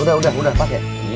udah udah udah pak ya